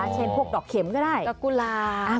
เช่นพวกดอกเข็มก็ได้ดอกกุหลา